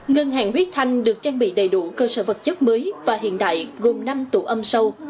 ngân hàng huyết thanh được trang bị đầy đủ cơ sở vật chất mới và hiện đại gồm năm tủ âm sâu